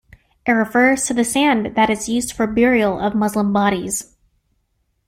It refers to the sand that is used for burial of Muslim bodies.